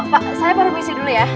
pak saya perlu bisik dulu ya